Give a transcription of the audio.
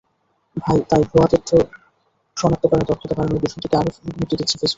তাই ভুয়া তথ্য শনাক্ত করার দক্ষতা বাড়ানোর বিষয়টিতে আরও গুরুত্ব দিচ্ছে ফেসবুক।